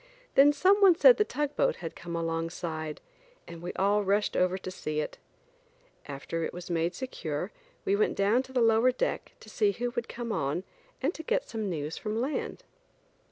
Then some one said the tugboat had come alongside, and we all rushed over to see it. After it was made secure we went down to the lower deck to see who would come on and to get some news from land.